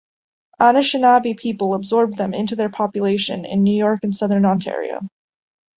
Anishinaabe people absorbed them into their population in New York and southern Ontario.